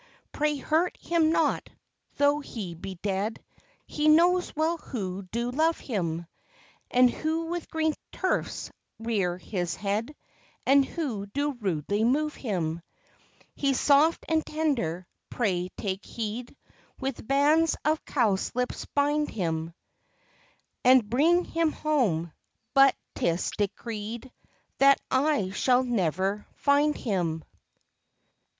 Pray hurt him not; though he be dead, He knows well who do love him; And who with green turfs rear his head, And who do rudely move him. He's soft and tender, pray take heed, With bands of cowslips bind him, And bring him home; but 'tis decreed That I shall never find him.